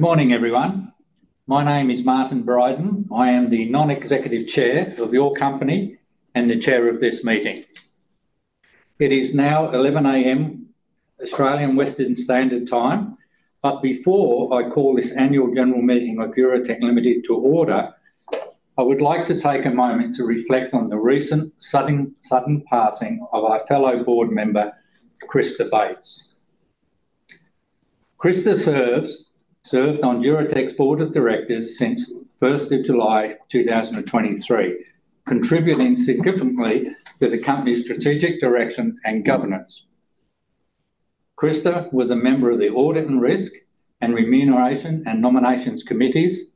Good morning, everyone. My name is Martin Brydon. I am the Non-Executive Chair of your company and the chair of this meeting. It is now 11:00 A.M. Australian Western Standard Time. But before I call this annual general meeting of Duratec Limited to order, I would like to take a moment to reflect on the recent sudden passing of our fellow board member, Krista Bates. Krista Bates served on Duratec's board of directors since 1 July 2023, contributing significantly to the company's strategic direction and governance. Krista Bates was a member of the audit and risk and remuneration and nominations committees,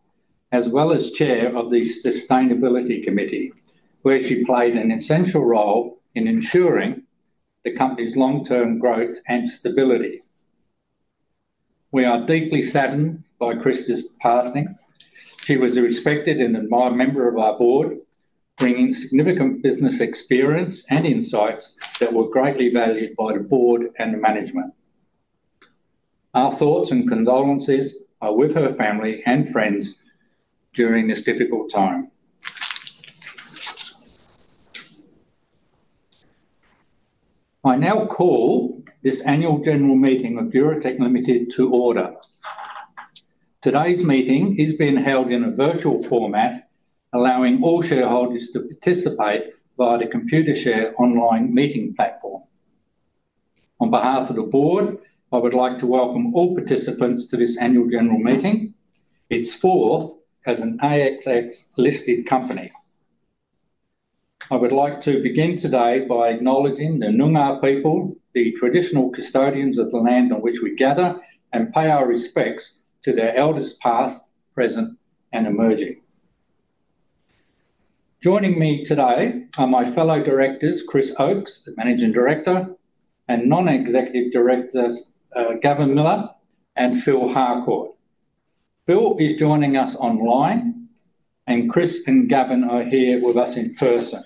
as well as chair of the sustainability committee, where she played an essential role in ensuring the company's long-term growth and stability. We are deeply saddened by Krista Bates's passing. She was a respected and admired member of our board, bringing significant business experience and insights that were greatly valued by the board and the management. Our thoughts and condolences are with her family and friends during this difficult time. I now call this annual general meeting of Duratec Limited to order. Today's meeting is being held in a virtual format, allowing all shareholders to participate via the Computershare online meeting platform. On behalf of the board, I would like to welcome all participants to this annual general meeting. It's fourth as an ASX-listed company. I would like to begin today by acknowledging the Noongar people, the traditional custodians of the land on which we gather, and pay our respects to their elders past, present, and emerging. Joining me today are my fellow directors, Chris Oates, the Managing Director, and non-executive directors, Gavin Miller and Phil Harcourt. Phil is joining us online, and Chris and Gavin are here with us in person.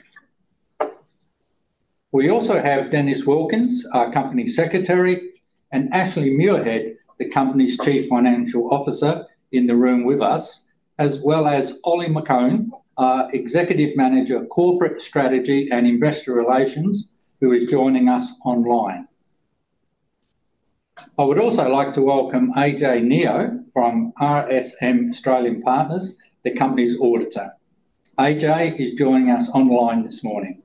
We also have Dennis Wilkins, our Company Secretary, and Ashley Muirhead, the Company's Chief Financial Officer, in the room with us, as well as Ollie McKeon, our Executive Manager, Corporate Strategy and Investor Relations, who is joining us online. I would also like to welcome AJ Neo from RSM Australia Partners, the Company's auditor. AJ is joining us online this morning.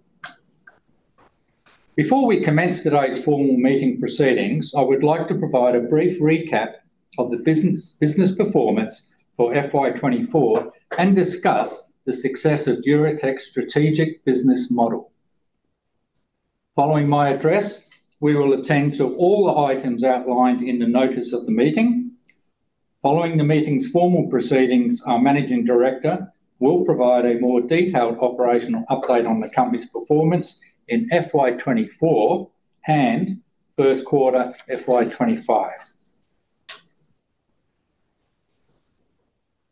Before we commence today's formal meeting proceedings, I would like to provide a brief recap of the business performance for FY24 and discuss the success of Duratec's strategic business model. Following my address, we will attend to all the items outlined in the notice of the meeting. Following the meeting's formal proceedings, our Managing Director will provide a more detailed operational update on the Company's performance in FY24 and first quarter FY25.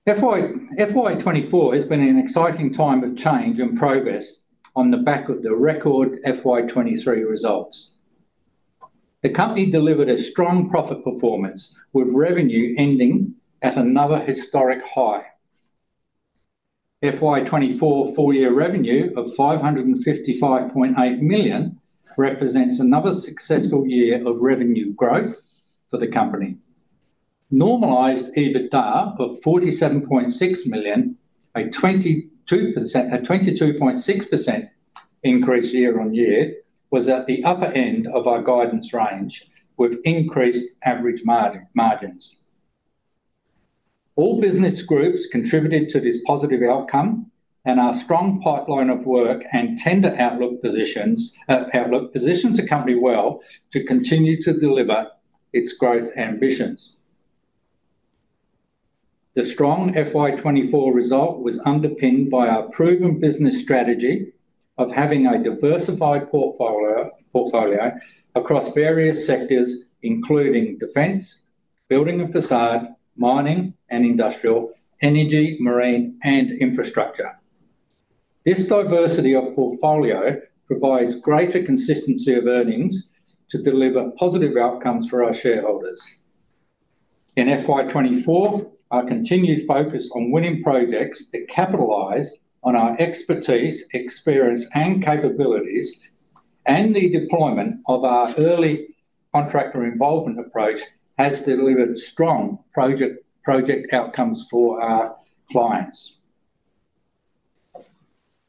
FY24 has been an exciting time of change and progress on the back of the record FY23 results. The company delivered a strong profit performance, with revenue ending at another historic high. FY24 full-year revenue of 555.8 million represents another successful year of revenue growth for the company. Normalized EBITDA of 47.6 million, a 22.6% increase year on year, was at the upper end of our guidance range with increased average margins. All business groups contributed to this positive outcome, and our strong pipeline of work and tender outlook positions the company well to continue to deliver its growth ambitions. The strong FY24 result was underpinned by our proven business strategy of having a diversified portfolio across various sectors, including defense, building and facade, mining, and industrial, energy, marine, and infrastructure. This diversity of portfolio provides greater consistency of earnings to deliver positive outcomes for our shareholders. In FY24, our continued focus on winning projects that capitalize on our expertise, experience, and capabilities, and the deployment of our early contractor involvement approach has delivered strong project outcomes for our clients.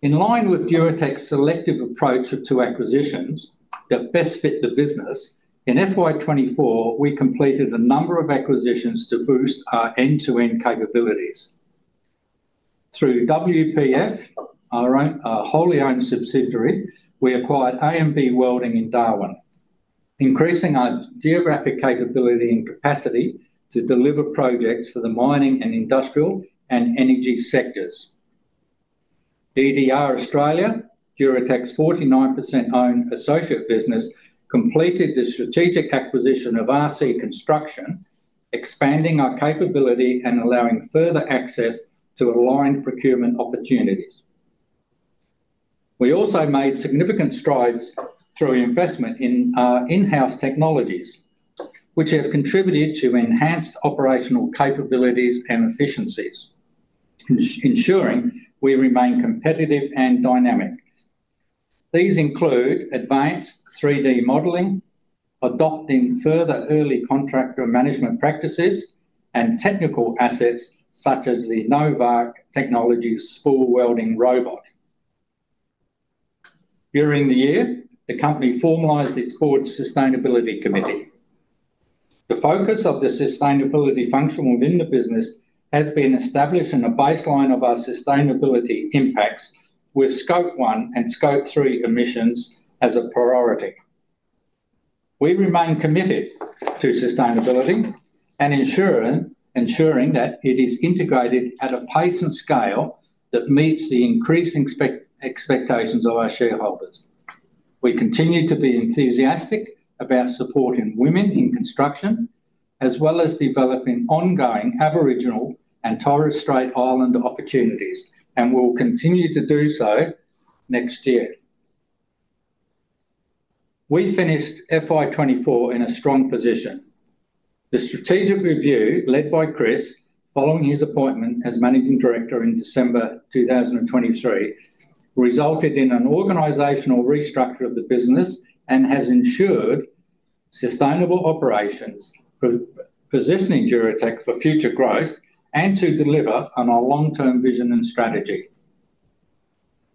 In line with Duratec's selective approach to acquisitions that best fit the business, in FY24, we completed a number of acquisitions to boost our end-to-end capabilities. Through WPF, our wholly-owned subsidiary, we acquired AMB Welding in Darwin, increasing our geographic capability and capacity to deliver projects for the mining and industrial and energy sectors. DDR Australia, Duratec's 49% owned associate business, completed the strategic acquisition of RC Construction, expanding our capability and allowing further access to aligned procurement opportunities. We also made significant strides through investment in our in-house technologies, which have contributed to enhanced operational capabilities and efficiencies, ensuring we remain competitive and dynamic. These include advanced 3D modeling, adopting further early contractor management practices, and technical assets such as the Novarc Technologies Spool Welding Robot. During the year, the company formalized its board's sustainability committee. The focus of the sustainability function within the business has been established in a baseline of our sustainability impacts, with Scope 1 and Scope 3 emissions as a priority. We remain committed to sustainability and ensuring that it is integrated at a pace and scale that meets the increasing expectations of our shareholders. We continue to be enthusiastic about supporting women in construction, as well as developing ongoing Aboriginal and Torres Strait Islander opportunities, and will continue to do so next year. We finished FY24 in a strong position. The strategic review led by Chris, following his appointment as Managing Director in December 2023, resulted in an organizational restructure of the business and has ensured sustainable operations, positioning Duratec for future growth, and to deliver on our long-term vision and strategy.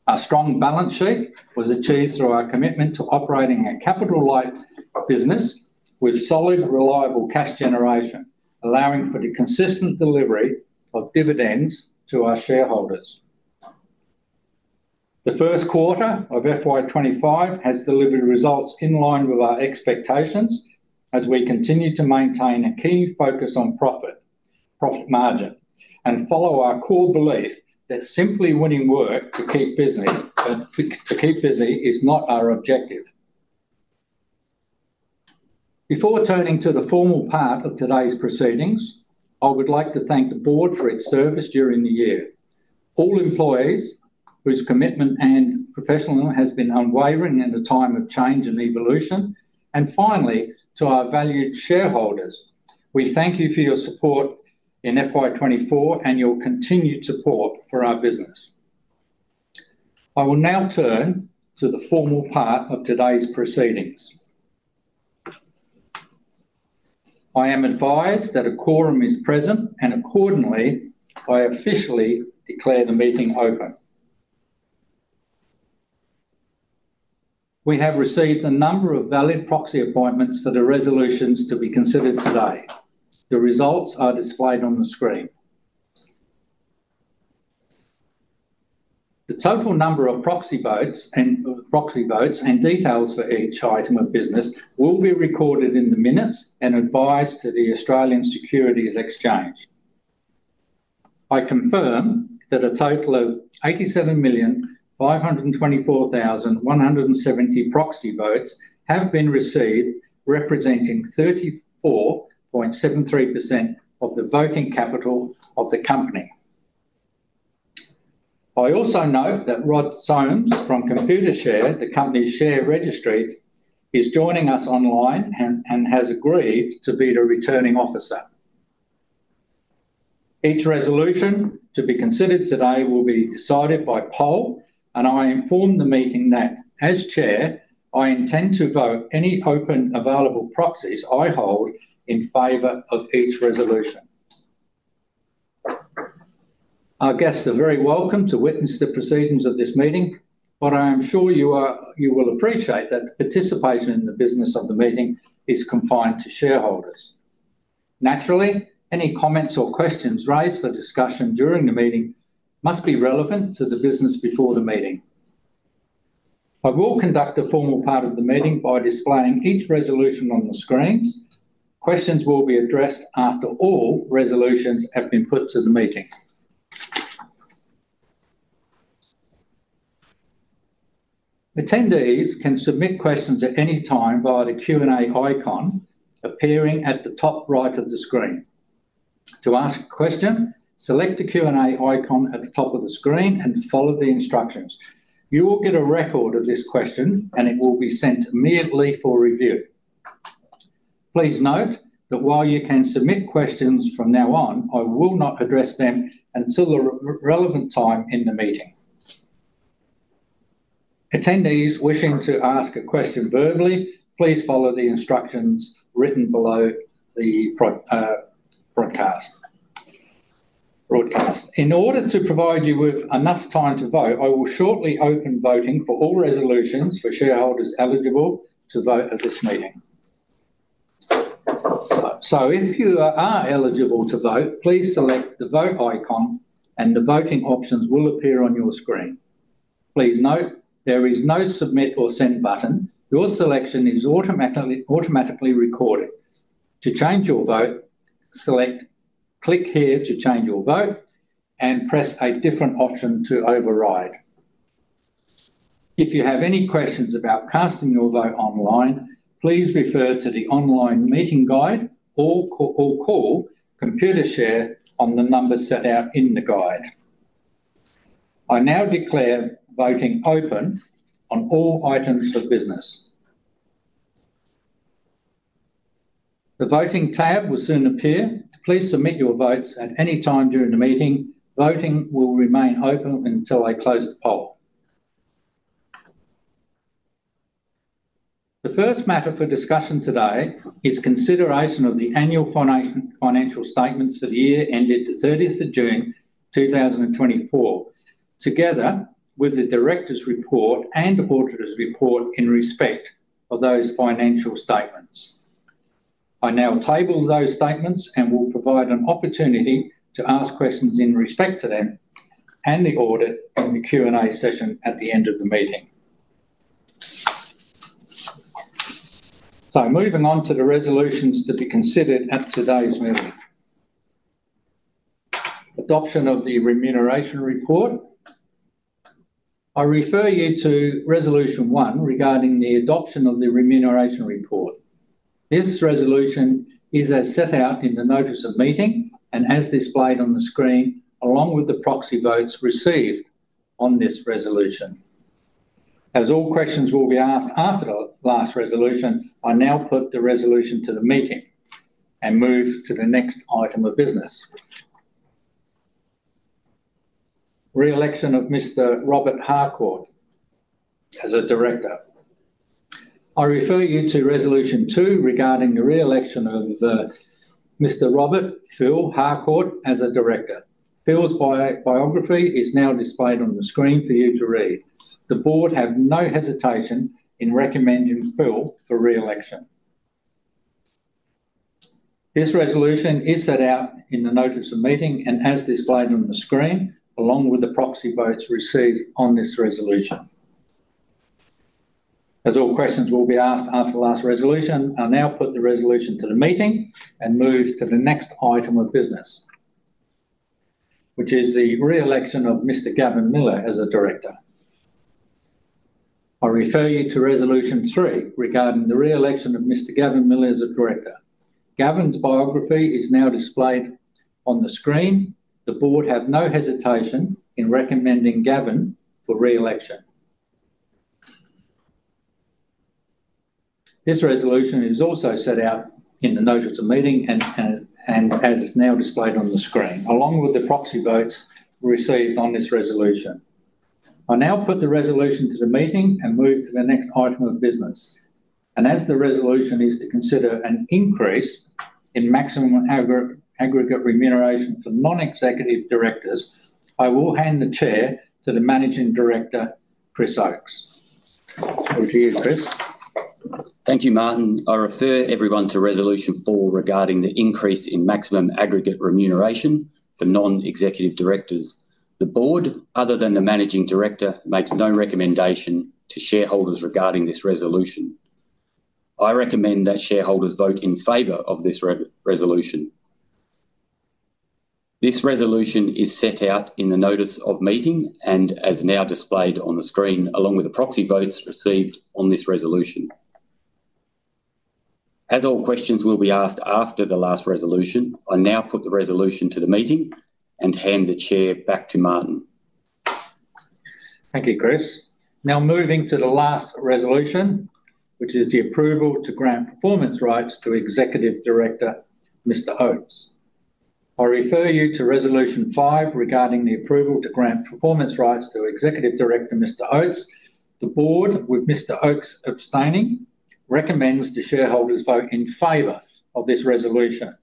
Our strong balance sheet was achieved through our commitment to operating a capital-light business with solid, reliable cash generation, allowing for the consistent delivery of dividends to our shareholders. The first quarter of FY25 has delivered results in line with our expectations as we continue to maintain a key focus on profit margin and follow our core belief that simply winning work to keep busy is not our objective. Before turning to the formal part of today's proceedings, I would like to thank the board for its service during the year, all employees whose commitment and professionalism has been unwavering in a time of change and evolution, and finally, to our valued shareholders. We thank you for your support in FY24 and your continued support for our business. I will now turn to the formal part of today's proceedings. I am advised that a quorum is present, and accordingly, I officially declare the meeting open. We have received a number of valid proxy appointments for the resolutions to be considered today. The results are displayed on the screen. The total number of proxy votes and details for each item of business will be recorded in the minutes and advised to the Australian Securities Exchange. I confirm that a total of 87,524,170 proxy votes have been received, representing 34.73% of the voting capital of the company. I also note that Rod Somes from Computershare, the company's share registry, is joining us online and has agreed to be the returning officer. Each resolution to be considered today will be decided by poll, and I inform the meeting that, as chair, I intend to vote any open available proxies I hold in favor of each resolution. Our guests are very welcome to witness the proceedings of this meeting, but I am sure you will appreciate that participation in the business of the meeting is confined to shareholders. Naturally, any comments or questions raised for discussion during the meeting must be relevant to the business before the meeting. I will conduct the formal part of the meeting by displaying each resolution on the screens. Questions will be addressed after all resolutions have been put to the meeting. Attendees can submit questions at any time via the Q&A icon appearing at the top right of the screen. To ask a question, select the Q&A icon at the top of the screen and follow the instructions. You will get a record of this question, and it will be sent immediately for review. Please note that while you can submit questions from now on, I will not address them until the relevant time in the meeting. Attendees wishing to ask a question verbally, please follow the instructions written below the broadcast. In order to provide you with enough time to vote, I will shortly open voting for all resolutions for shareholders eligible to vote at this meeting. So if you are eligible to vote, please select the vote icon, and the voting options will appear on your screen. Please note there is no submit or send button. Your selection is automatically recorded. To change your vote, click here to change your vote and press a different option to override. If you have any questions about casting your vote online, please refer to the online meeting guide or call Computershare on the numbers set out in the guide. I now declare voting open on all items of business. The voting tab will soon appear. Please submit your votes at any time during the meeting. Voting will remain open until I close the poll. The first matter for discussion today is consideration of the annual financial statements for the year ended 30 June 2024, together with the director's report and auditor's report in respect of those financial statements. I now table those statements and will provide an opportunity to ask questions in respect to them and the audit in the Q&A session at the end of the meeting. So moving on to the resolutions to be considered at today's meeting. Adoption of the remuneration report. I refer you to resolution one regarding the adoption of the remuneration report. This resolution is as set out in the notice of meeting and as displayed on the screen, along with the proxy votes received on this resolution. As all questions will be asked after the last resolution, I now put the resolution to the meeting and move to the next item of business. Re-election of Mr. Robert Philip Harcourt as a director. I refer you to resolution two regarding the re-election of Mr. Robert Philip Harcourt as a director. Phil's biography is now displayed on the screen for you to read. The board has no hesitation in recommending Phil for re-election. This resolution is set out in the notice of meeting and as displayed on the screen, along with the proxy votes received on this resolution. As all questions will be asked after the last resolution, I now put the resolution to the meeting and move to the next item of business, which is the re-election of Mr. Gavin Miller as a director. I refer you to resolution three regarding the re-election of Mr. Gavin Miller as a director. Gavin's biography is now displayed on the screen. The board has no hesitation in recommending Gavin for re-election. This resolution is also set out in the notice of meeting and as it's now displayed on the screen, along with the proxy votes received on this resolution. I now put the resolution to the meeting and move to the next item of business. As the resolution is to consider an increase in maximum aggregate remuneration for non-executive directors, I will hand the chair to the Managing Director, Chris Oates. Over to you, Chris. Thank you, Martin. I refer everyone to resolution four regarding the increase in maximum aggregate remuneration for non-executive directors. The board, other than the managing director, makes no recommendation to shareholders regarding this resolution. I recommend that shareholders vote in favor of this resolution. This resolution is set out in the notice of meeting and as now displayed on the screen, along with the proxy votes received on this resolution. As all questions will be asked after the last resolution, I now put the resolution to the meeting and hand the chair back to Martin. Thank you, Chris. Now moving to the last resolution, which is the approval to grant performance rights to Executive Director, Mr. Oates. I refer you to resolution five regarding the approval to grant performance rights to Executive Director Mr. Oates. The board, with Mr. Oates abstaining, recommends the shareholders vote in favor of this resolution.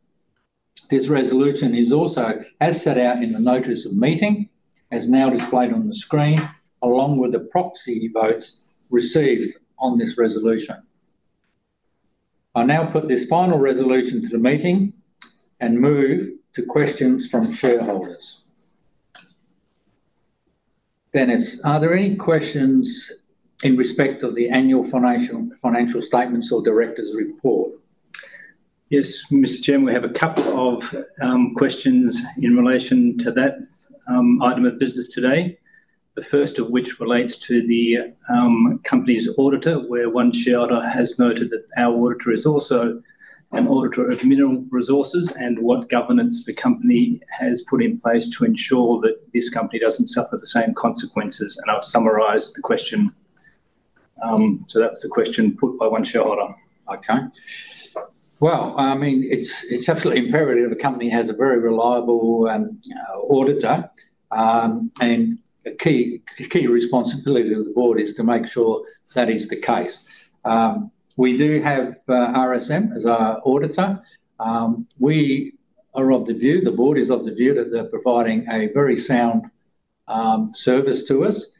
This resolution is also, as set out in the notice of meeting, as now displayed on the screen, along with the proxy votes received on this resolution. I now put this final resolution to the meeting and move to questions from shareholders. Dennis, are there any questions in respect of the annual financial statements or director's report? Yes, Mr. Chairman, we have a couple of questions in relation to that item of business today, the first of which relates to the company's auditor, where one shareholder has noted that our auditor is also an auditor of Mineral Resources and what governance the company has put in place to ensure that this company doesn't suffer the same consequences. And I've summarized the question. So that's the question put by one shareholder. Okay. Well, I mean, it's absolutely imperative the company has a very reliable auditor, and a key responsibility of the board is to make sure that is the case. We do have RSM as our auditor. We are of the view, the board is of the view that they're providing a very sound service to us,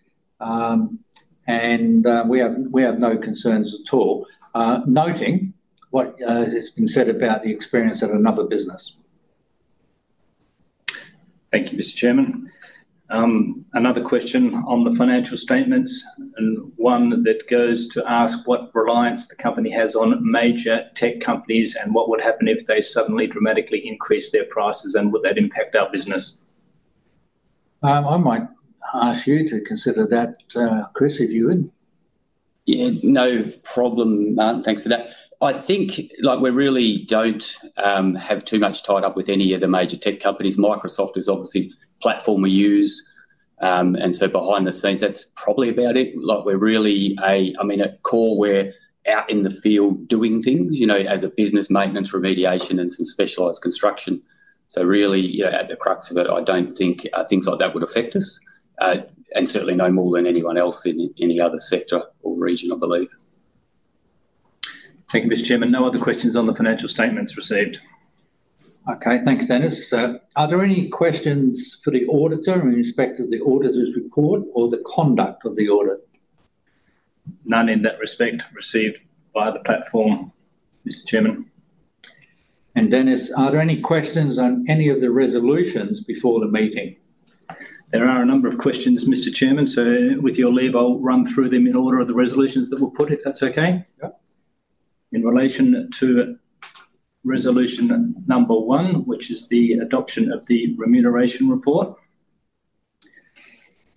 and we have no concerns at all, noting what has been said about the experience at another business. Thank you, Mr. Chairman. Another question on the financial statements, and one that goes to ask what reliance the company has on major tech companies and what would happen if they suddenly dramatically increase their prices, and would that impact our business? I might ask you to consider that, Chris, if you would. Yeah, no problem. Thanks for that. I think we really don't have too much tied up with any of the major tech companies. Microsoft is obviously a platform we use, and so behind the scenes, that's probably about it. We're really a, I mean, a core we're out in the field doing things as a business maintenance, remediation, and some specialized construction. So really, at the crux of it, I don't think things like that would affect us, and certainly no more than anyone else in any other sector or region, I believe. Thank you, Mr. Chairman. No other questions on the financial statements received. Okay. Thanks, Dennis. Are there any questions for the auditor in respect of the auditor's report or the conduct of the audit? None in that respect received by the platform, Mr. Chairman. And Dennis, are there any questions on any of the resolutions before the meeting? There are a number of questions, Mr. Chairman, so with your leave, I'll run through them in order of the resolutions that were put, if that's okay. In relation to resolution number one, which is the adoption of the remuneration report,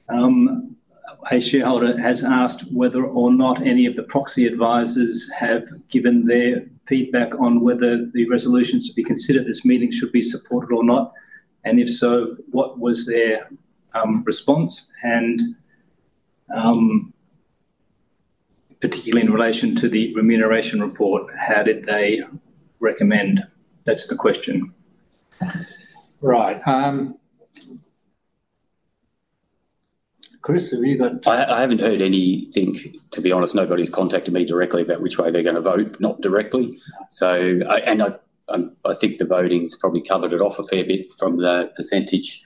a shareholder has asked whether or not any of the proxy advisors have given their feedback on whether the resolutions to be considered at this meeting should be supported or not. And if so, what was their response? And particularly in relation to the remuneration report, how did they recommend? That's the question. Right. Chris, have you got? I haven't heard anything. To be honest, nobody's contacted me directly about which way they're going to vote, not directly. And I think the voting's probably covered it off a fair bit from the percentage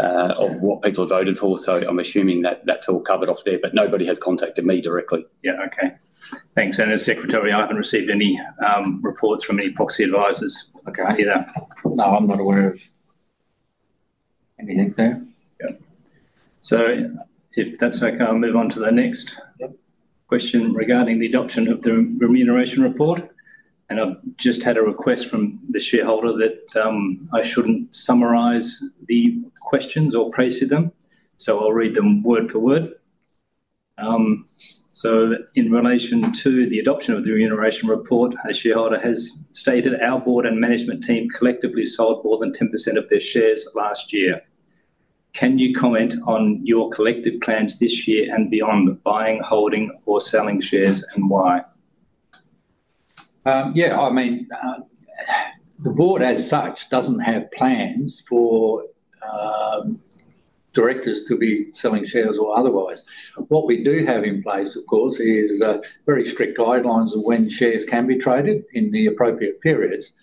of what people voted for. So I'm assuming that that's all covered off there, but nobody has contacted me directly. Yeah. Okay. Thanks. And as Secretary, I haven't received any reports from any proxy advisors. I can't hear that. No, I'm not aware of anything there. Yeah. So if that's okay, I'll move on to the next question regarding the adoption of the remuneration report. And I've just had a request from the shareholder that I shouldn't summarize the questions or praise them. So I'll read them word for word. So in relation to the adoption of the remuneration report, a shareholder has stated our board and management team collectively sold more than 10% of their shares last year. Can you comment on your collective plans this year and beyond, buying, holding, or selling shares, and why? Yeah. I mean, the board as such doesn't have plans for directors to be selling shares or otherwise. What we do have in place, of course, is very strict guidelines of when shares can be traded in the appropriate periods.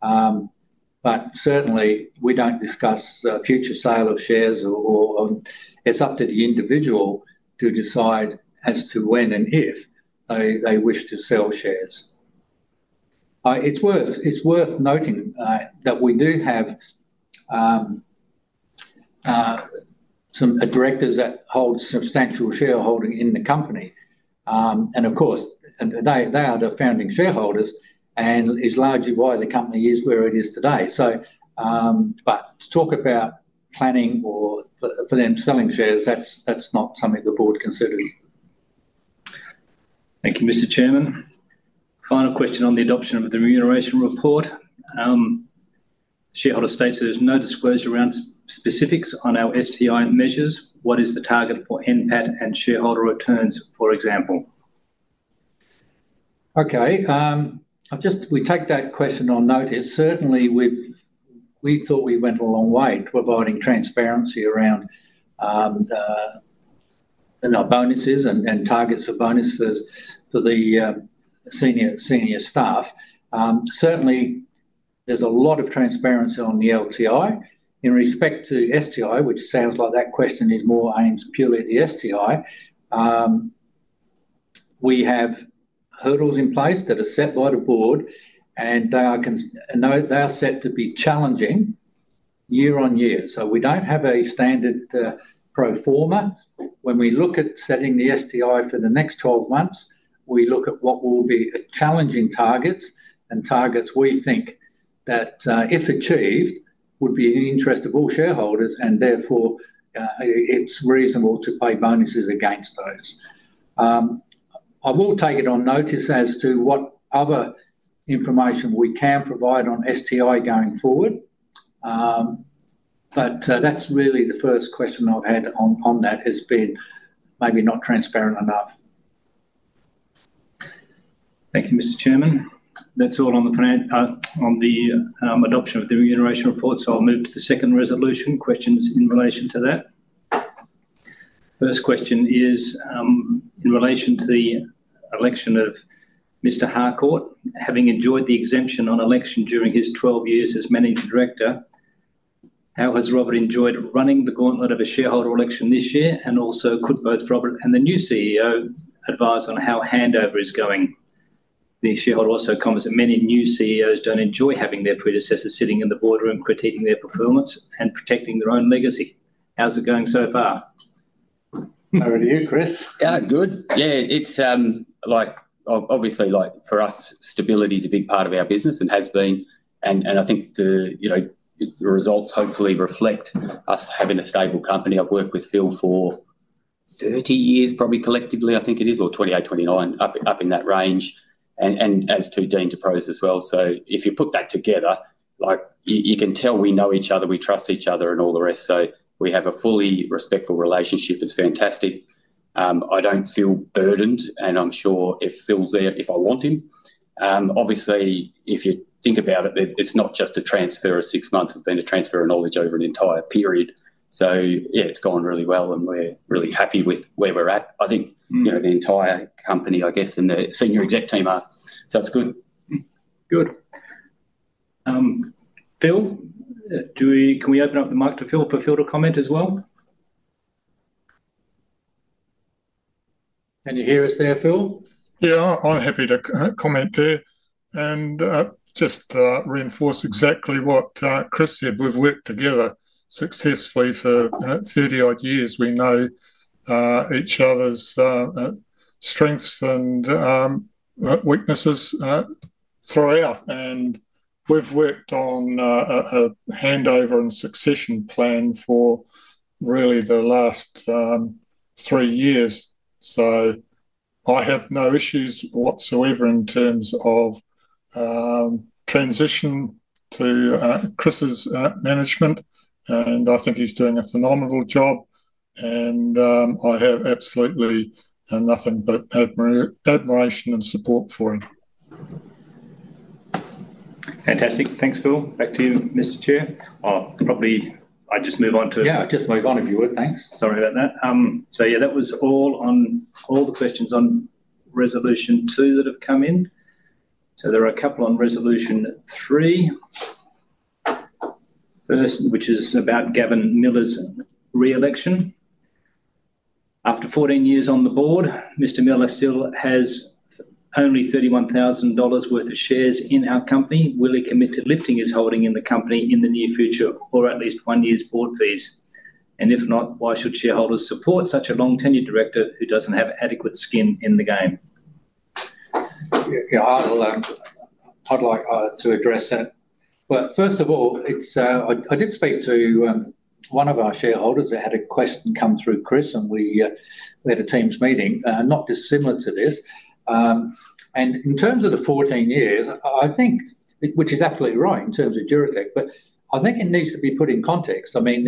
But certainly, we don't discuss future sale of shares, or it's up to the individual to decide as to when and if they wish to sell shares. It's worth noting that we do have some directors that hold substantial shareholding in the company. And of course, they are the founding shareholders, and it's largely why the company is where it is today. But to talk about planning for them selling shares, that's not something the board considers. Thank you, Mr. Chairman. Final question on the adoption of the remuneration report. Shareholder states there's no disclosure around specifics on our STI measures. What is the target for NPAT and shareholder returns, for example? Okay. We take that question on notice. Certainly, we thought we went a long way providing transparency around the bonuses and targets for bonuses for the senior staff. Certainly, there's a lot of transparency on the LTI. In respect to STI, which sounds like that question is more aimed purely at the STI, we have hurdles in place that are set by the board, and they are set to be challenging year on year. So we don't have a standard pro forma. When we look at setting the STI for the next 12 months, we look at what will be challenging targets and targets we think that, if achieved, would be in the interest of all shareholders, and therefore, it's reasonable to pay bonuses against those. I will take it on notice as to what other information we can provide on STI going forward. But that's really the first question I've had on that has been maybe not transparent enough. Thank you, Mr. Chairman. That's all on the adoption of the remuneration report. So I'll move to the second resolution. Questions in relation to that? First question is in relation to the election of Mr. Harcourt. Having enjoyed the exemption on election during his 12 years as managing director, how has Robert enjoyed running the gauntlet of a shareholder election this year? And also, could both Robert and the new advise on how handover is going? The shareholder also comments that many new CEOs don't enjoy having their predecessors sitting in the boardroom critiquing their performance and protecting their own legacy. How's it going so far? Over to you, Chris. Good. Yeah. Obviously, for us, stability is a big part of our business and has been. I think the results hopefully reflect us having a stable company. I've worked with Phil for 30 years, probably collectively, I think it is, or 28, 29, up in that range, and as to Dean Diprose as well. If you put that together, you can tell we know each other, we trust each other, and all the rest. We have a fully respectful relationship. It's fantastic. I don't feel burdened, and I'm sure if Phil's there, if I want him. Obviously, if you think about it, it's not just a transfer of six months. It's been a transfer of knowledge over an entire period. Yeah, it's gone really well, and we're really happy with where we're at. I think the entire company, I guess, and the senior exec team are. It's good. Good. Phil, can we open up the mic to Phil for Phil to comment as well? Can you hear us there, Phil? Yeah. I'm happy to comment there and just reinforce exactly what Chris said. We've worked together successfully for 30-odd years. We know each other's strengths and weaknesses throughout. And we've worked on a handover and succession plan for really the last three years. So I have no issues whatsoever in terms of transition to Chris's management. And I think he's doing a phenomenal job. And I have absolutely nothing but admiration and support for him. Fantastic. Thanks, Phil. Back to you, Mr. Chair. Probably I'll just move on to. Yeah. Just move on, if you would. Thanks. Sorry about that. So yeah, that was all on all the questions on resolution two that have come in. There are a couple on resolution three, which is about Gavin Miller's re-election. After 14 years on the board, Mr. Miller still has only 31,000 dollars worth of shares in our company. Will he commit to lifting his holding in the company in the near future or at least one year's board fees? And if not, why should shareholders support such a long-tenured director who doesn't have adequate skin in the game? Yeah. I'd like to address that. Well, first of all, I did speak to one of our shareholders that had a question come through, Chris, and we had a Teams meeting, not dissimilar to this. And in terms of the 14 years, I think, which is absolutely right in terms of jurisdiction, but I think it needs to be put in context. I mean,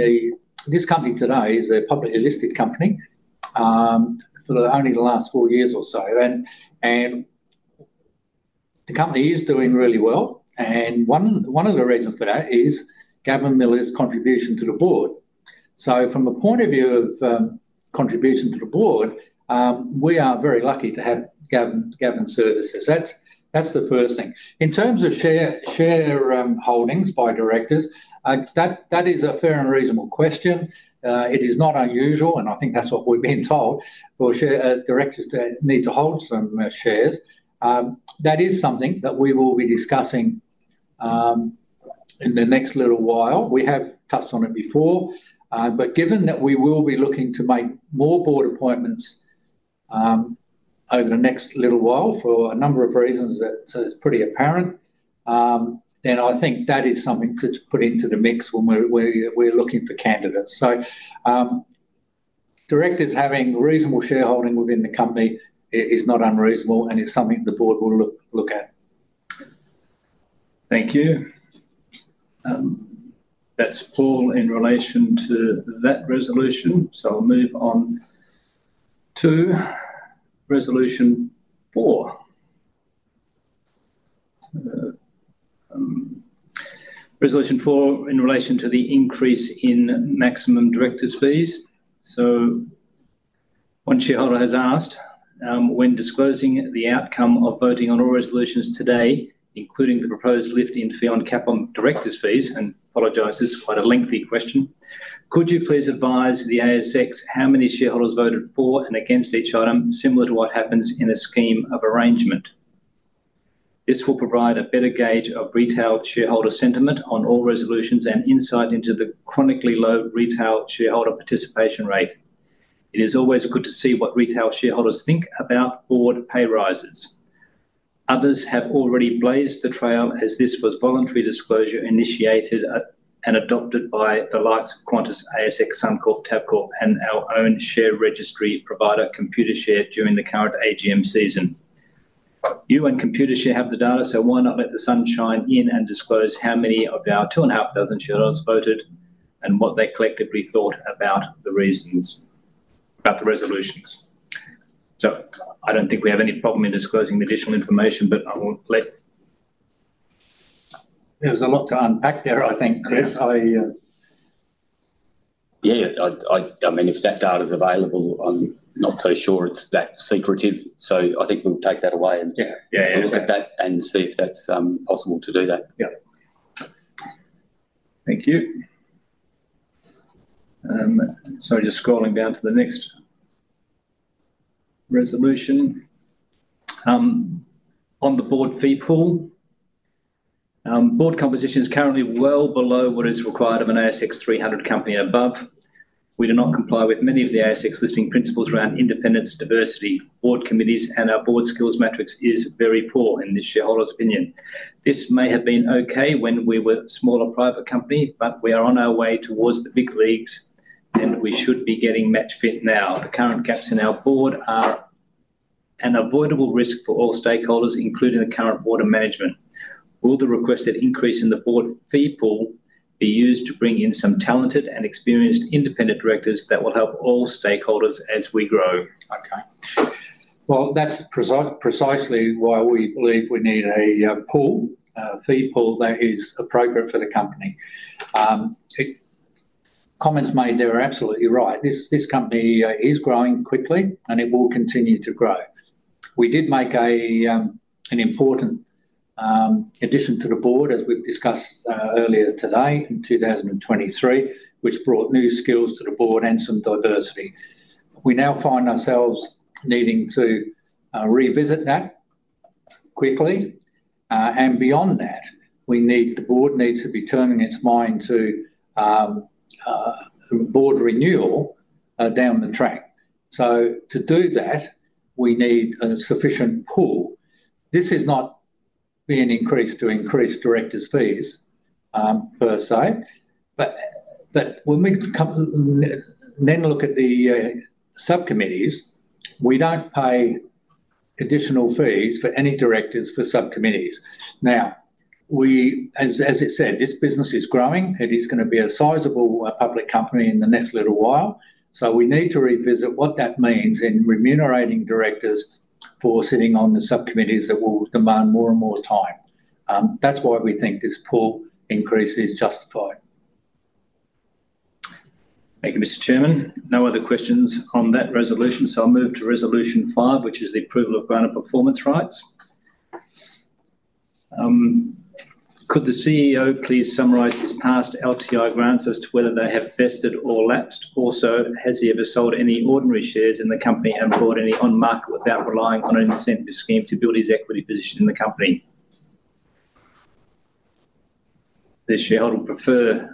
this company today is a publicly listed company for only the last four years or so. And the company is doing really well. And one of the reasons for that is Gavin Miller's contribution to the board. So from the point of view of contribution to the board, we are very lucky to have Gavin's services. That's the first thing. In terms of shareholdings by directors, that is a fair and reasonable question. It is not unusual, and I think that's what we've been told, for directors to need to hold some shares. That is something that we will be discussing in the next little while. We have touched on it before. But given that we will be looking to make more board appointments over the next little while for a number of reasons that are pretty apparent, then I think that is something to put into the mix when we're looking for candidates. So directors having reasonable shareholding within the company is not unreasonable, and it's something the board will look at. Thank you. That's all in relation to that resolution. So I'll move on to resolution four. Resolution four in relation to the increase in maximum directors' fees. So one shareholder has asked, "When disclosing the outcome of voting on all resolutions today, including the proposed lifting the cap on directors' fees, could you please advise the ASX how many shareholders voted for and against each item, similar to what happens in a scheme of arrangement?" And apologize, this is quite a lengthy question. This will provide a better gauge of retail shareholder sentiment on all resolutions and insight into the chronically low retail shareholder participation rate. It is always good to see what retail shareholders think about board pay rises. Others have already blazed the trail as this was voluntary disclosure initiated and adopted by the likes of Qantas ASX, Suncorp, Tabcorp, and our own share registry provider, Computershare, during the current AGM season. You and Computershare have the data, so why not let the sunshine in and disclose how many of our two and a half dozen shareholders voted and what they collectively thought about the resolutions? So I don't think we have any problem in disclosing the additional information, but I won't let. There's a lot to unpack there, I think, Chris. Yeah. I mean, if that data's available, I'm not so sure it's that secretive. So, I think we'll take that away and look at that and see if that's possible to do that. Yeah. Thank you. So just scrolling down to the next resolution. On the board fee pool, board composition is currently well below what is required of an ASX 300 company and above. We do not comply with many of the ASX listing principles around independence, diversity, board committees, and our board skills matrix is very poor in this shareholder's opinion. This may have been okay when we were a smaller private company, but we are on our way towards the big leagues, and we should be getting match fit now. The current gaps in our board are an avoidable risk for all stakeholders, including the current board of management. Will the requested increase in the board fee pool be used to bring in some talented and experienced independent directors that will help all stakeholders as we grow? Okay, well, that's precisely why we believe we need a pool, a fee pool that is appropriate for the company. Comments made there are absolutely right. This company is growing quickly, and it will continue to grow. We did make an important addition to the board, as we've discussed earlier today in 2023, which brought new skills to the board and some diversity. We now find ourselves needing to revisit that quickly, and beyond that, the board needs to be turning its mind to board renewal down the track, so to do that, we need a sufficient pool. This is not an increase to increase directors' fees per se. But when we then look at the subcommittees, we don't pay additional fees for any directors for subcommittees. Now, as it said, this business is growing. It is going to be a sizable public company in the next little while. So we need to revisit what that means in remunerating directors for sitting on the subcommittees that will demand more and more time. That's why we think this pool increase is justified. Thank you, Mr. Chairman. No other questions on that resolution. So I'll move to resolution five, which is the approval of granted performance rights. Could the CEO please summarize his past LTI grants as to whether they have vested or lapsed? Also, has he ever sold any ordinary shares in the company and bought any on market without relying on an incentive scheme to build his equity position in the company? This shareholder would prefer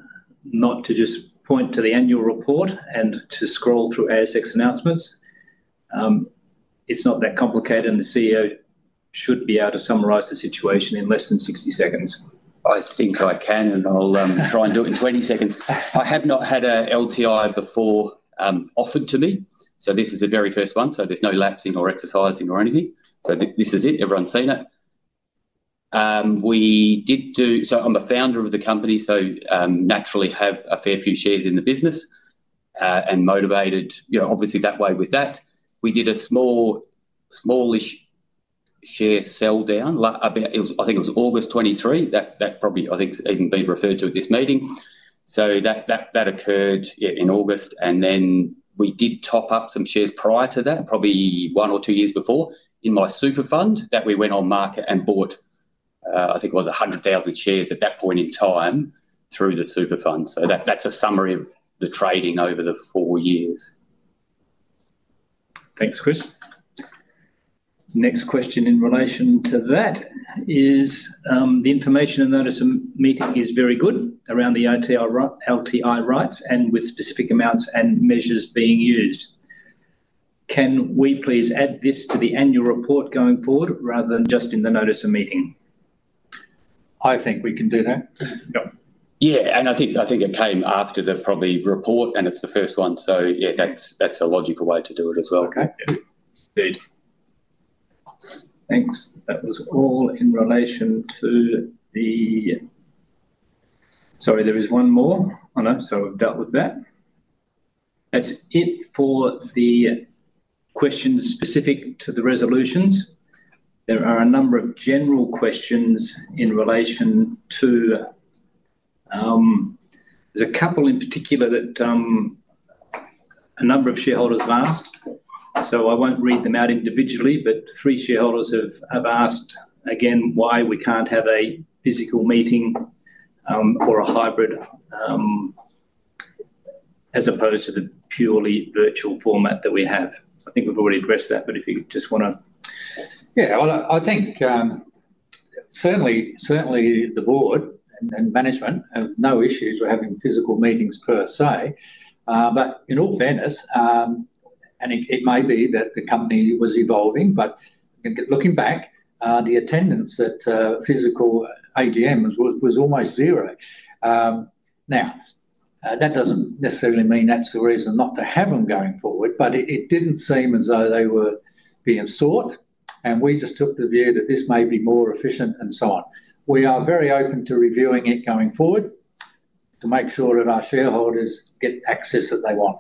not to just point to the annual report and to scroll through ASX announcements. It's not that complicated, and the CEO should be able to summarize the situation in less than 60 seconds. I think I can, and I'll try and do it in 20 seconds. I have not had an LTI before offered to me. So this is the very first one. So there's no lapsing or exercising or anything. So this is it. Everyone's seen it. So I'm a founder of the company, so naturally have a fair few shares in the business and motivated, obviously, that way with that. We did a smallish share sell down. I think it was August 2023. That probably, I think, has even been referred to at this meeting. So that occurred in August. And then we did top up some shares prior to that, probably one or two years before in my super fund that we went on market and bought. I think it was 100,000 shares at that point in time through the super fund. So that's a summary of the trading over the four years. Thanks, Chris. Next question in relation to that is the information in the notice of meeting is very good around the LTI rights and with specific amounts and measures being used. Can we please add this to the annual report going forward rather than just in the notice of meeting? I think we can do that. Yeah. And I think it came after the annual report, and it's the first one. So yeah, that's a logical way to do it as well. Okay. Indeed. Thanks. That was all in relation to the, sorry, there is one more on that, so we've dealt with that. That's it for the questions specific to the resolutions. There are a number of general questions in relation to, there's a couple in particular that a number of shareholders have asked. So I won't read them out individually, but three shareholders have asked again why we can't have a physical meeting or a hybrid as opposed to the purely virtual format that we have. I think we've already addressed that, but if you just want to. Yeah. I think certainly the board and management have no issues with having physical meetings per se. But in all fairness, and it may be that the company was evolving, but looking back, the attendance at physical AGM was almost zero. Now, that doesn't necessarily mean that's the reason not to have them going forward, but it didn't seem as though they were being sought. And we just took the view that this may be more efficient and so on. We are very open to reviewing it going forward to make sure that our shareholders get access that they want.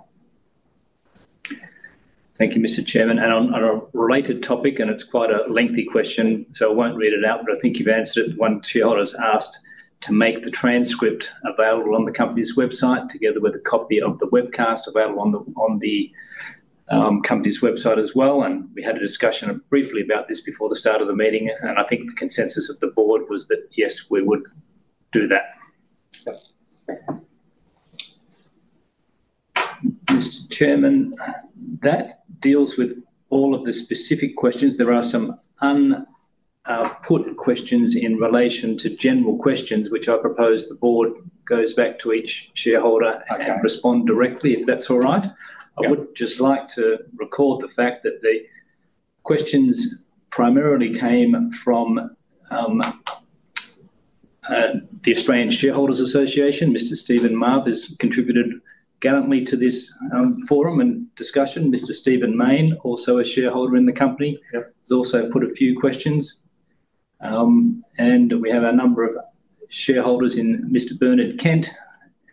Thank you, Mr. Chairman. And on a related topic, and it's quite a lengthy question, so I won't read it out, but I think you've answered it. One shareholder has asked to make the transcript available on the company's website together with a copy of the webcast available on the company's website as well. And we had a discussion briefly about this before the start of the meeting. And I think the consensus of the board was that, yes, we would do that. Mr. Chairman, that deals with all of the specific questions. There are some input questions in relation to general questions, which I propose the board goes back to each shareholder and respond directly, if that's all right. I would just like to record the fact that the questions primarily came from the Australian Shareholders Association. Mr. Steven Mabb has contributed gallantly to this forum and discussion. Mr. Steven Mayne, also a shareholder in the company, has also put a few questions. And we have a number of shareholders including Mr. Bernard Kent.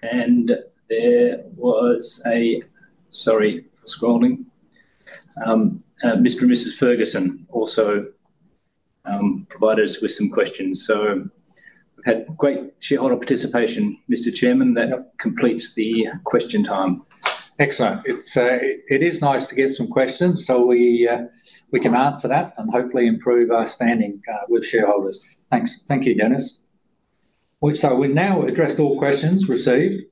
And there was a - sorry for scrolling. Mr. and Mrs. Ferguson also provided us with some questions. So we've had great shareholder participation. Mr. Chairman, that completes the question time. Excellent. It is nice to get some questions so we can answer that and hopefully improve our standing with shareholders. Thanks. Thank you, Dennis. So we've now addressed all questions received.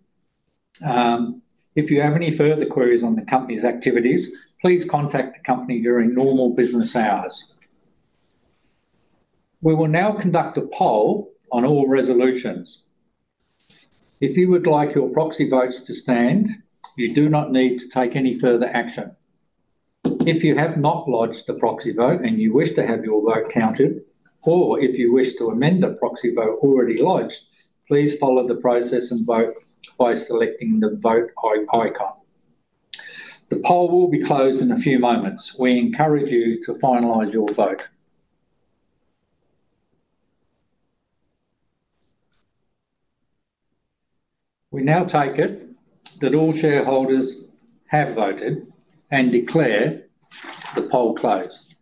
If you have any further queries on the company's activities, please contact the company during normal business hours. We will now conduct a poll on all resolutions. If you would like your proxy votes to stand, you do not need to take any further action. If you have not lodged a proxy vote and you wish to have your vote counted, or if you wish to amend a proxy vote already lodged, please follow the process and vote by selecting the vote icon. The poll will be closed in a few moments. We encourage you to finalize your vote. We now take it that all shareholders have voted and declare the poll closed.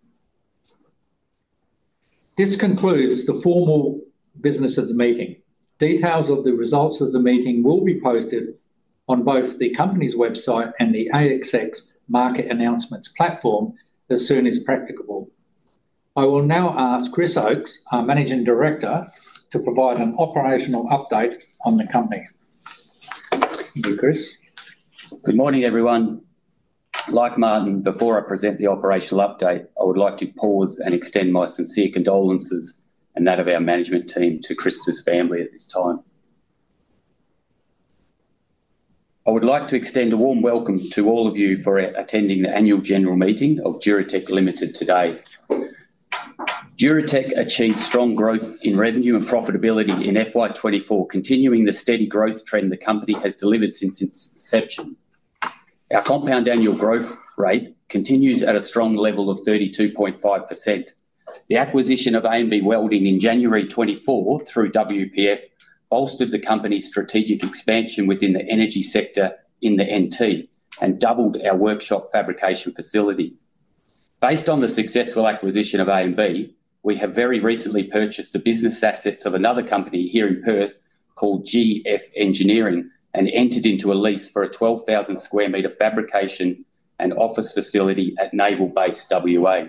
This concludes the formal business of the meeting. Details of the results of the meeting will be posted on both the company's website and the ASX market announcements platform as soon as practicable. I will now ask Chris Oates, our Managing Director, to provide an operational update on the company. Thank you, Chris. Good morning, everyone. Like Martin, before I present the operational update, I would like to pause and extend my sincere condolences and that of our management team to Krista's family at this time. I would like to extend a warm welcome to all of you for attending the annual general meeting of Duratec Limited today. Duratec achieved strong growth in revenue and profitability in FY24, continuing the steady growth trend the company has delivered since its inception. Our compound annual growth rate continues at a strong level of 32.5%. The acquisition of AMB Welding in January 2024 through WPF bolstered the company's strategic expansion within the energy sector in the NT and doubled our workshop fabrication facility. Based on the successful acquisition of AMB, we have very recently purchased the business assets of another company here in Perth called GF Engineering and entered into a lease for a 12,000 sq m fabrication and office facility at Naval Base WA.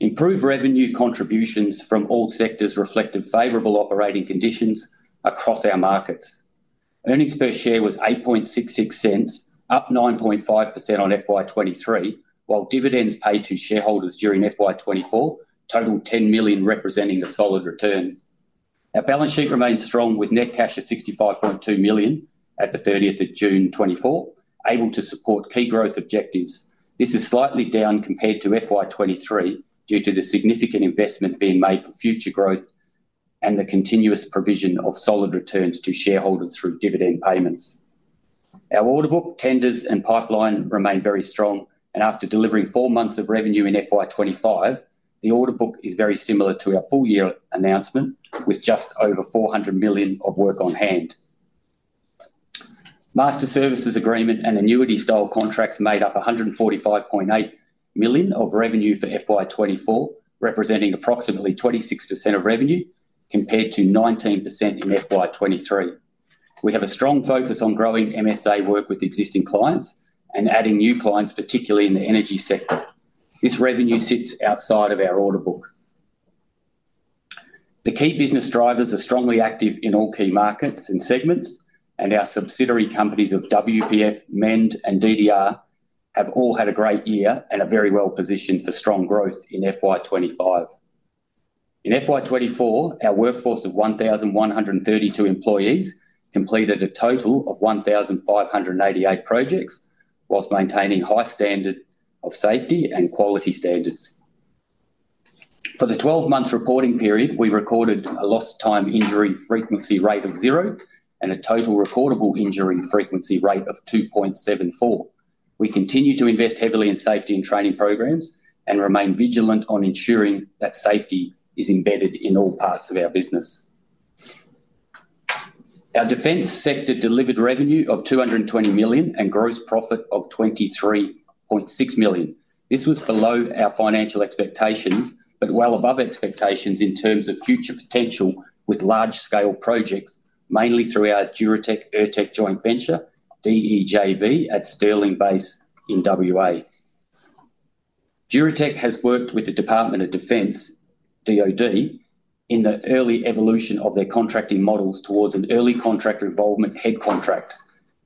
Improved revenue contributions from all sectors reflected favorable operating conditions across our markets. Earnings per share was 0.0866, up 9.5% on FY23, while dividends paid to shareholders during FY24 totaled 10 million, representing a solid return. Our balance sheet remained strong with net cash of 65.2 million at the 30th of June 2024, able to support key growth objectives. This is slightly down compared to FY23 due to the significant investment being made for future growth and the continuous provision of solid returns to shareholders through dividend payments. Our order book, tenders, and pipeline remain very strong and after delivering four months of revenue in FY25, the order book is very similar to our full year announcement with just over 400 million of work on hand. Master services agreement and annuity style contracts made up 145.8 million of revenue for FY24, representing approximately 26% of revenue compared to 19% in FY23. We have a strong focus on growing MSA work with existing clients and adding new clients, particularly in the energy sector. This revenue sits outside of our order book. The key business drivers are strongly active in all key markets and segments, and our subsidiary companies of WPF, MEnD, and DDR have all had a great year and are very well positioned for strong growth in FY25. In FY24, our workforce of 1,132 employees completed a total of 1,588 projects while maintaining high standards of safety and quality standards. For the 12-month reporting period, we recorded a lost-time injury frequency rate of zero and a total recordable injury frequency rate of 2.74. We continue to invest heavily in safety and training programs and remain vigilant on ensuring that safety is embedded in all parts of our business. Our defense sector delivered revenue of 220 million and gross profit of 23.6 million. This was below our financial expectations, but well above expectations in terms of future potential with large-scale projects, mainly through our Duratec-Ertech joint venture, DEJV, at HMAS Stirling in WA. Duratec has worked with the Department of Defence, DoD, in the early evolution of their contracting models towards an early contractor involvement head contract,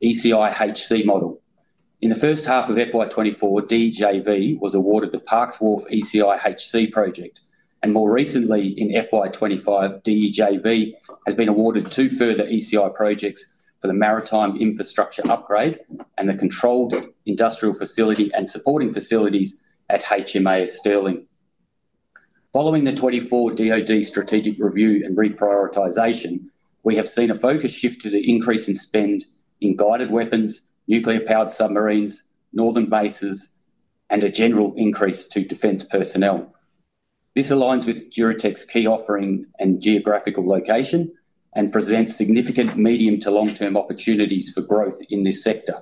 ECIHC model. In the first half of FY24, DEJV was awarded the Parkes Wharf ECIHC project, and more recently, in FY25, DEJV has been awarded two further ECI projects for the maritime infrastructure upgrade and the controlled industrial facility and supporting facilities at HMAS Stirling. Following the 2024 DoD strategic review and reprioritization, we have seen a focus shift to the increase in spend in guided weapons, nuclear-powered submarines, northern bases, and a general increase to defense personnel. This aligns with Duratec's key offering and geographical location and presents significant medium to long-term opportunities for growth in this sector.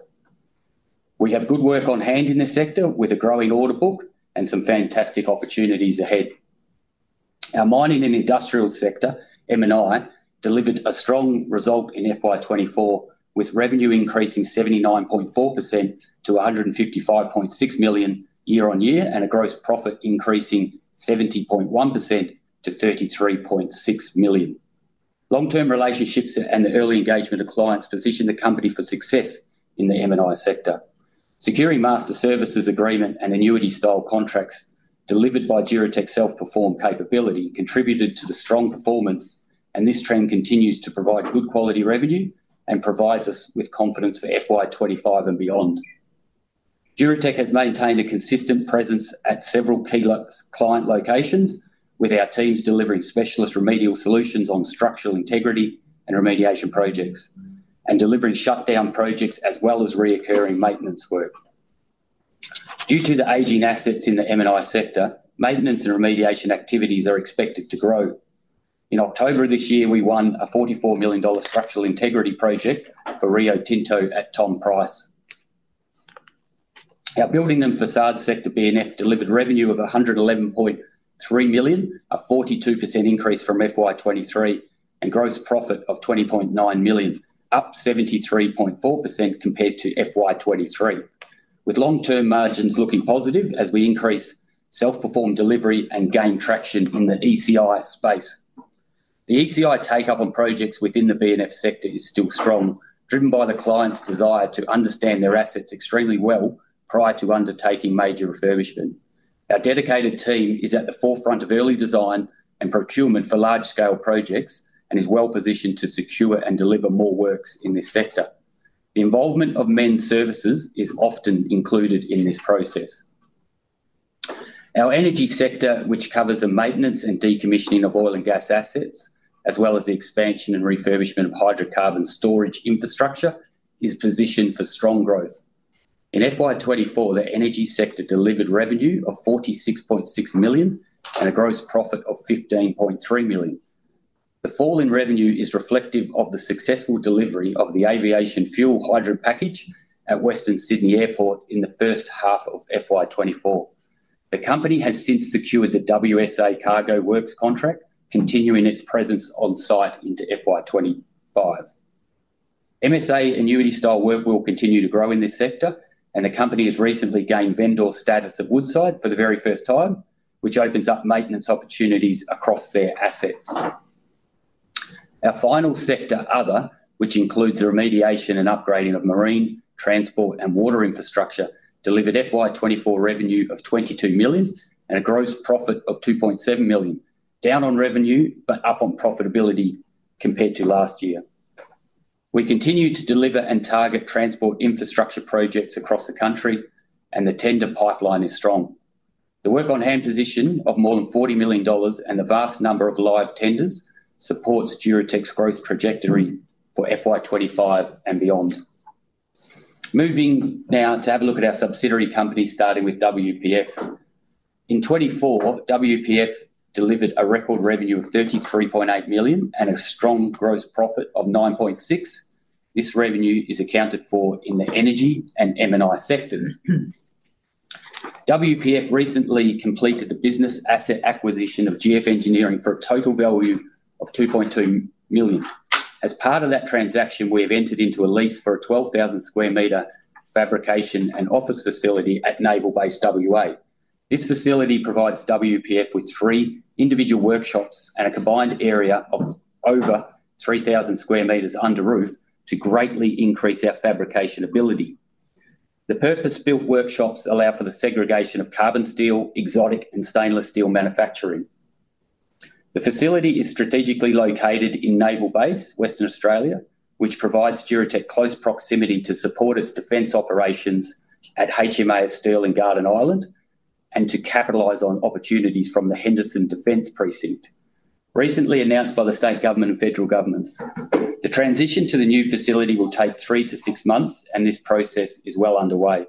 We have good work on hand in this sector with a growing order book and some fantastic opportunities ahead. Our mining and industrial sector, M&I, delivered a strong result in FY24 with revenue increasing 79.4% to AUD 155.6 million year on year and a gross profit increasing 70.1% to AUD 33.6 million. Long-term relationships and the early engagement of clients position the company for success in the M&I sector. Securing master services agreement and annuity style contracts delivered by Duratec's self-perform capability contributed to the strong performance, and this trend continues to provide good quality revenue and provides us with confidence for FY25 and beyond. Duratec has maintained a consistent presence at several key client locations with our teams delivering specialist remedial solutions on structural integrity and remediation projects and delivering shutdown projects as well as recurring maintenance work. Due to the aging assets in the M&I sector, maintenance and remediation activities are expected to grow. In October of this year, we won a AUD 44 million structural integrity project for Rio Tinto at Tom Price. Our building and facade sector BNF delivered revenue of 111.3 million, a 42% increase from FY23, and gross profit of 20.9 million, up 73.4% compared to FY23, with long-term margins looking positive as we increase self-perform delivery and gain traction in the ECI space. The ECI take-up on projects within the BNF sector is still strong, driven by the client's desire to understand their assets extremely well prior to undertaking major refurbishment. Our dedicated team is at the forefront of early design and procurement for large-scale projects and is well positioned to secure and deliver more works in this sector. The involvement of MEnD Services is often included in this process. Our energy sector, which covers the maintenance and decommissioning of oil and gas assets, as well as the expansion and refurbishment of hydrocarbon storage infrastructure, is positioned for strong growth. In FY24, the energy sector delivered revenue of 46.6 million and a gross profit of 15.3 million. The fall in revenue is reflective of the successful delivery of the aviation fuel hydro package at Western Sydney Airport in the first half of FY24. The company has since secured the WSA Cargo Works contract, continuing its presence on site into FY25. MSA annuity style work will continue to grow in this sector, and the company has recently gained vendor status at Woodside for the very first time, which opens up maintenance opportunities across their assets. Our final sector, Other, which includes the remediation and upgrading of marine, transport, and water infrastructure, delivered FY24 revenue of AUD 22 million and a gross profit of AUD 2.7 million, down on revenue but up on profitability compared to last year. We continue to deliver and target transport infrastructure projects across the country, and the tender pipeline is strong. The work-on-hand position of more than 40 million dollars and the vast number of live tenders supports Duratec's growth trajectory for FY25 and beyond. Moving now to have a look at our subsidiary companies, starting with WPF. In 2024, WPF delivered a record revenue of 33.8 million and a strong gross profit of 9.6. This revenue is accounted for in the energy and M&I sectors. WPF recently completed the business asset acquisition of GF Engineering for a total value of 2.2 million. As part of that transaction, we have entered into a lease for a 12,000 square meter fabrication and office facility at Naval Base WA. This facility provides WPF with three individual workshops and a combined area of over 3,000 square meters under roof to greatly increase our fabrication ability. The purpose-built workshops allow for the segregation of carbon steel, exotic, and stainless steel manufacturing. The facility is strategically located in Naval Base, Western Australia, which provides Duratec close proximity to support its defense operations at HMAS Stirling, Garden Island and to capitalize on opportunities from the Henderson Defence Precinct, recently announced by the state government and federal governments. The transition to the new facility will take three to six months, and this process is well underway.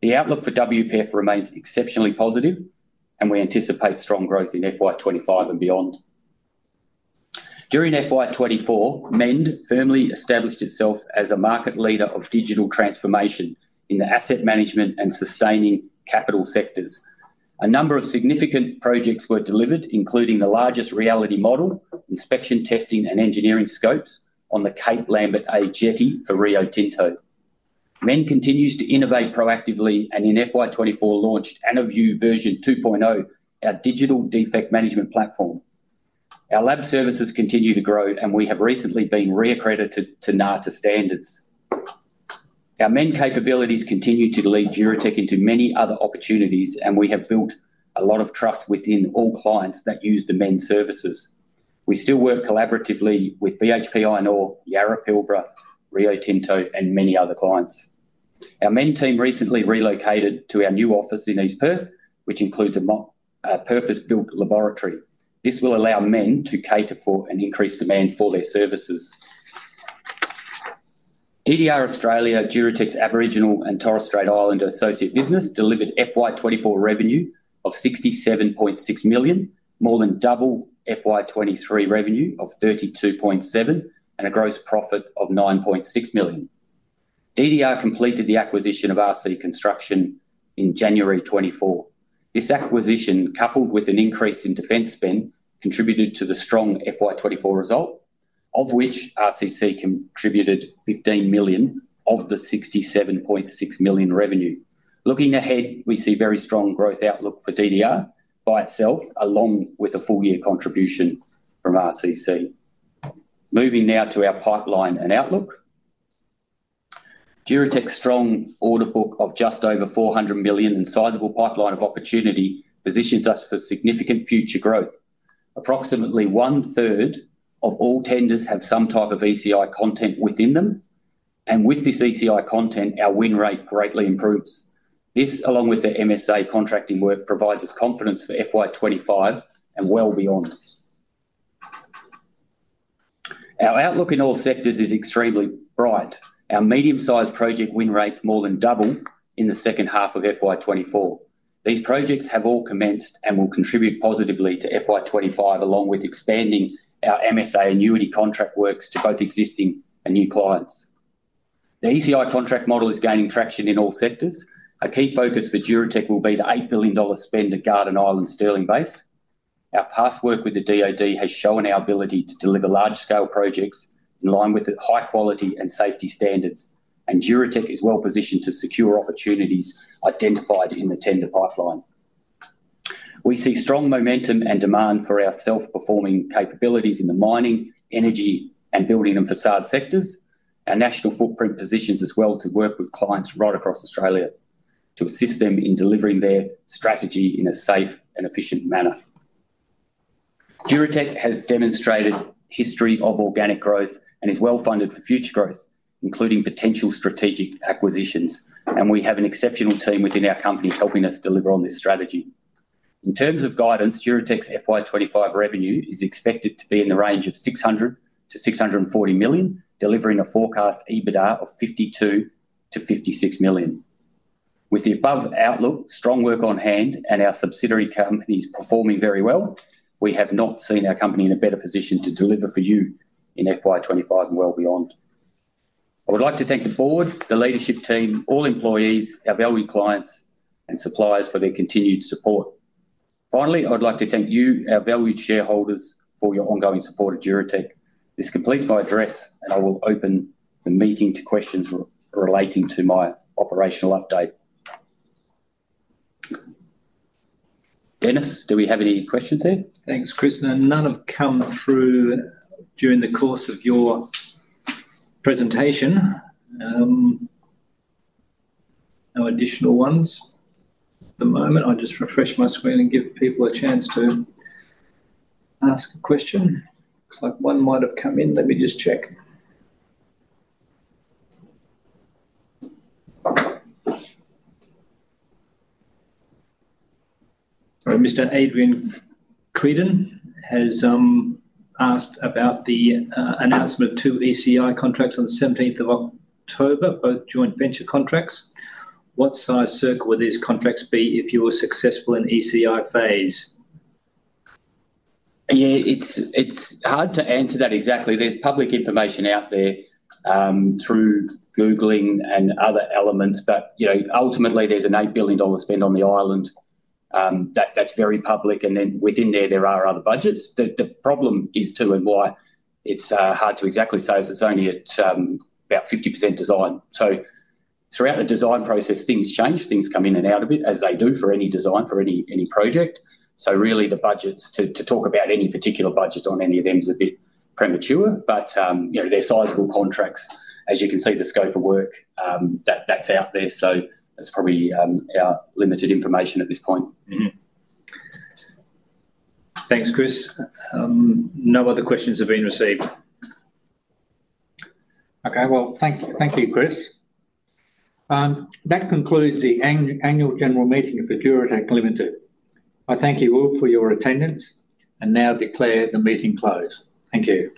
The outlook for WPF remains exceptionally positive, and we anticipate strong growth in FY25 and beyond. During FY24, MEnD firmly established itself as a market leader of digital transformation in the asset management and sustaining capital sectors. A number of significant projects were delivered, including the largest reality model, inspection, testing, and engineering scopes on the Cape Lambert A Jetty for Rio Tinto. MEnD continues to innovate proactively and in FY24 launched AnaView version 2.0, our digital defect management platform. Our lab services continue to grow, and we have recently been reaccredited to NATA standards. Our MEnD capabilities continue to lead Duratec into many other opportunities, and we have built a lot of trust within all clients that use the MEnD services. We still work collaboratively with BHP Iron Ore, Yara Pilbara, Rio Tinto, and many other clients. Our MEnD team recently relocated to our new office in East Perth, which includes a purpose-built laboratory. This will allow MEnD to cater for an increased demand for their services. DDR Australia, Duratec's Aboriginal and Torres Strait Islander Associate Business, delivered FY24 revenue of AUD 67.6 million, more than double FY23 revenue of AUD 32.7 million, and a gross profit of AUD 9.6 million. DDR completed the acquisition of RC Construction in January 2024. This acquisition, coupled with an increase in defense spend, contributed to the strong FY24 result, of which WPF contributed 15 million of the 67.6 million revenue. Looking ahead, we see very strong growth outlook for DDR by itself, along with a full year contribution from WPF. Moving now to our pipeline and outlook. Duratec's strong order book of just over 400 million and sizable pipeline of opportunity positions us for significant future growth. Approximately one-third of all tenders have some type of ECI content within them, and with this ECI content, our win rate greatly improves. This, along with the MSA contracting work, provides us confidence for FY25 and well beyond. Our outlook in all sectors is extremely bright. Our medium-sized project win rate is more than double in the second half of FY24. These projects have all commenced and will contribute positively to FY25, along with expanding our MSA annuity contract works to both existing and new clients. The ECI contract model is gaining traction in all sectors. A key focus for Duratec will be the 8 billion dollars spend at Garden Island Stirling Base. Our past work with the DoD has shown our ability to deliver large-scale projects in line with high quality and safety standards, and Duratec is well positioned to secure opportunities identified in the tender pipeline. We see strong momentum and demand for our self-performing capabilities in the mining, energy, and building and facade sectors. Our national footprint positions us well to work with clients right across Australia to assist them in delivering their strategy in a safe and efficient manner. Duratec has demonstrated a history of organic growth and is well funded for future growth, including potential strategic acquisitions, and we have an exceptional team within our company helping us deliver on this strategy. In terms of guidance, Duratec's FY25 revenue is expected to be in the range of 600 million-640 million, delivering a forecast EBITDA of 52 million-56 million. With the above outlook, strong work on hand, and our subsidiary companies performing very well, we have not seen our company in a better position to deliver for you in FY25 and well beyond. I would like to thank the board, the leadership team, all employees, our valued clients, and suppliers for their continued support. Finally, I would like to thank you, our valued shareholders, for your ongoing support of Duratec. This completes my address, and I will open the meeting to questions relating to my operational update. Dennis, do we have any questions here? Thanks, Chris. None have come through during the course of your presentation. No additional ones at the moment. I'll just refresh my screen and give people a chance to ask a question. Looks like one might have come in. Let me just check. Mr. Adrian Cridland has asked about the announcement of two ECI contracts on the 17th of October, both joint venture contracts. What size are they would these contracts be if you were successful in ECI phase? Yeah, it's hard to answer that exactly. There's public information out there through Googling and other elements, but ultimately, there's an 8 billion dollar spend on the island that's very public, and then within there, there are other budgets. The problem is too, and why it's hard to exactly say, is it's only at about 50% design. So throughout the design process, things change. Things come in and out of it, as they do for any design, for any project. So really, the budgets to talk about any particular budget on any of them is a bit premature, but they're sizable contracts. As you can see, the scope of work that's out there. So that's probably our limited information at this point. Thanks, Chris. No other questions have been received. Okay, well, thank you, Chris. That concludes the Annual General Meeting for Duratec Limited. I thank you all for your attendance and now declare the meeting closed. Thank you.